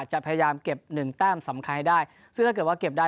จะพยายามเก็บหนึ่งแต้มสำคัญให้ได้ซึ่งถ้าเกิดว่าเก็บได้